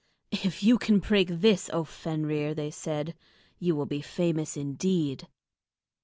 "If you can break this, O Fenrir," they said, "you will be famous indeed."